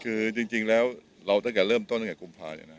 คือจริงแล้วเราตั้งแต่เริ่มต้นตั้งแต่กุมภาเนี่ยนะ